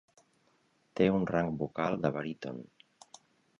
Té un rang vocal de baríton.